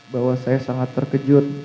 bahwa saya sangat terkejut